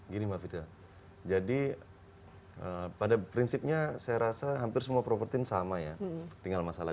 gini mbak fitri jadi pada prinsipnya saya rasa hampir semua properti sama ya tinggal masalah